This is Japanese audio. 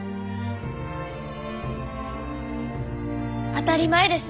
当たり前です。